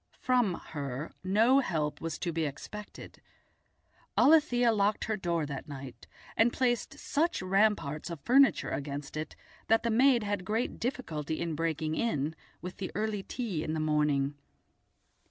From her no help was to be expected. Alethia locked her door that night, and placed such ramparts of furniture against it that the maid had great difficulty in breaking in with the early tea in the morning.